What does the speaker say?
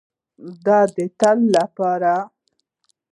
د تل لپاره.